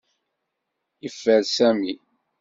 Yeffer Sami.